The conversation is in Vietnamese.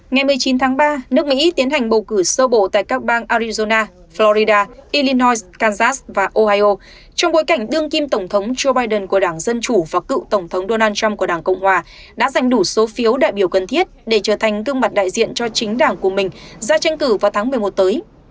ngày một mươi chín tháng ba nước mỹ tiến hành bầu cử sơ bộ tại các bang arizona florida illinois kansas và ohio trong bối cảnh đương kim tổng thống joe biden của đảng dân chủ và cựu tổng thống donald trump của đảng cộng hòa đã giành đủ số phiếu đại biểu cần thiết để trở thành gương mặt đại diện cho chính đảng của mình ra tranh cử vào tháng một mươi một tới